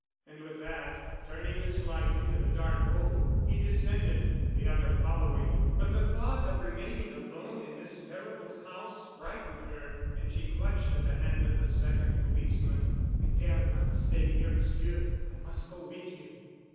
And with that, turning his light into the dark hole, he descended, the other following. But the thought of remaining alone in this terrible house frightened her and she clutched at the hand of the second policeman. "I dare not stay here, Monsieur. I must go with you."